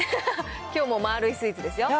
きょうもまーるいスイーツですよ。